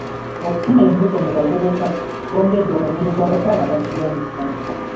Okufuna embuto mu bavubuka kwongedde omuwendo gw'abakyala abafiira mu ssanya.